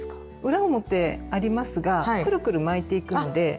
裏表ありますがくるくる巻いていくので。